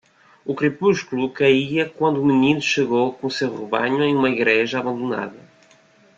O crepúsculo caía quando o menino chegou com seu rebanho em uma igreja abandonada.